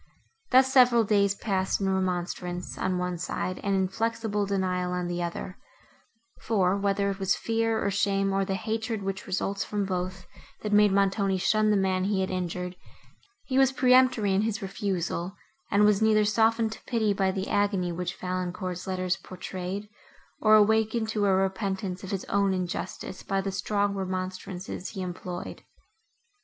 Thus several days passed, in remonstrance, on one side, and inflexible denial, on the other; for, whether it was fear, or shame, or the hatred, which results from both, that made Montoni shun the man he had injured, he was peremptory in his refusal, and was neither softened to pity by the agony, which Valancourt's letters portrayed, nor awakened to a repentance of his own injustice by the strong remonstrances he employed.